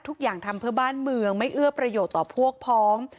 ทุกอย่างทำเพื่อบ้านเมืองไม่เอื้อประโยชน์ต่อพวกพ้อง